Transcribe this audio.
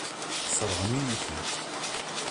Sseṛɣen-iyi-tent.